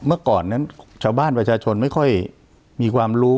เมื่อก่อนนั้นชาวบ้านประชาชนไม่ค่อยมีความรู้